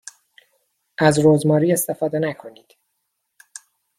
از رزماری استفاده نکنید.